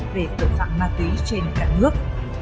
về tội phạm ma túy trên cả nước